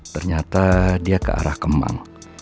ternyata dia ke arah kemang